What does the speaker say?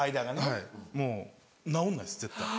はいもう治んないです絶対。